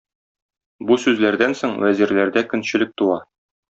Бу сүзләрдән соң вәзирләрдә көнчелек туа.